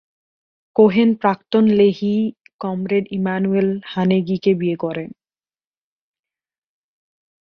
Cohen প্রাক্তন Lehi comrade Emanuel হানেগিকে বিয়ে করেন।